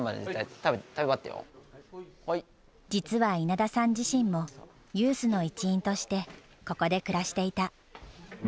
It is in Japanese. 実は稲田さん自身もユースの一員としてここで暮らしていた。